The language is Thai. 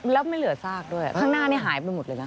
แล้วไม่เหลือซากด้วยข้างหน้านี้หายไปหมดเลยนะ